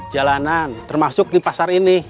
jalanan termasuk di pasar ini